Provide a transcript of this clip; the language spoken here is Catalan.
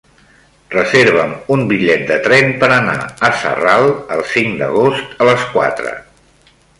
Reserva'm un bitllet de tren per anar a Sarral el cinc d'agost a les quatre.